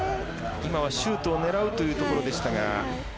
今はシュートを狙おうというところでしたが。